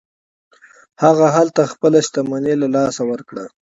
هغه هلته خپله شتمني له لاسه ورکوي.